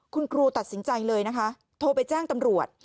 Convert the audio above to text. คุณครูตัดสินใจเลยนะคะโทรไปแจ้งตำรวจ